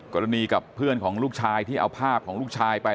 กับเพื่อนของลูกชายที่เอาภาพของลูกชายไป